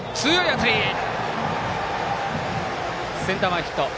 センター前ヒット。